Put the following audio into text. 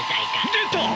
出た！